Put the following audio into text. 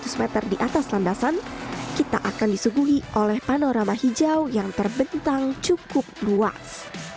setelah berjalan dengan kebiasaan kita akan disuguhi oleh panorama hijau yang terbentang cukup luas